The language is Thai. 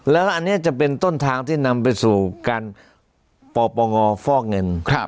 แล้วอันนี้จะเป็นต้นทางที่นำไปสู่การปปงฟอกเงิน